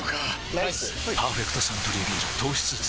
ライス「パーフェクトサントリービール糖質ゼロ」